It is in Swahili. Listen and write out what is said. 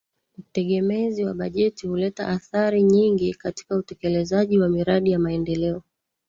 Utegemezi wa bajeti huleta athari nyingi katika utekelezaji wa miradi ya maendeleo